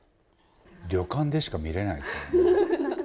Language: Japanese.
旅館でしか見れないですよね。